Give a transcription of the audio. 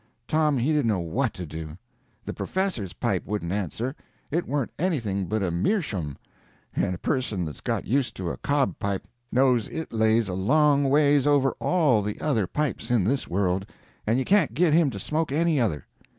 Tom he didn't know what to do. The professor's pipe wouldn't answer; it warn't anything but a mershum, and a person that's got used to a cob pipe knows it lays a long ways over all the other pipes in this world, and you can't git him to smoke any other.